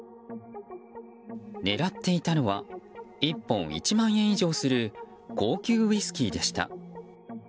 狙っていたのは１本１万円以上する高級ウイスキーでした。